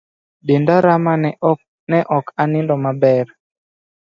Denda rama ne ok anindo maber